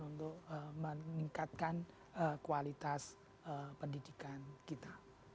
untuk meningkatkan kualitas pendidikan kita